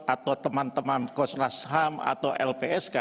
atau teman teman kosnas ham atau lpsk